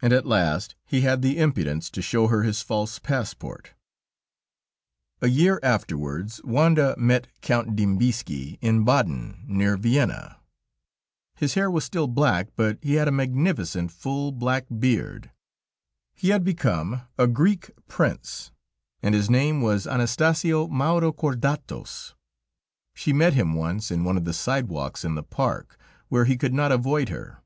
And at last, he had the impudence to show her his false passport. A year afterwards, Wanda met Count Dembizki in Baden, near Vienna. His hair was still black, but he had a magnificent, full, black beard; he had become a Greek prince, and his name was Anastasio Maurokordatos. She met him once in one of the side walks in the park, where he could not avoid her.